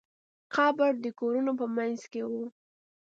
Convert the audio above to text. قبر د کورونو په منځ کې و.